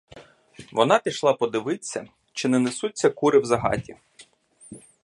Вона пішла подивиться, чи не несуться кури в загаті.